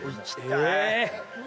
え。